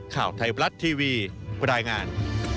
ข่าวไทยบรัฐทีวีรายงาน